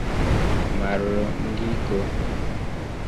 mallongigo